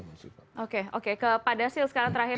kepada sil sekarang terakhir